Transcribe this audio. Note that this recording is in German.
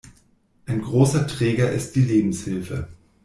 Ein großer Träger ist die Lebenshilfe.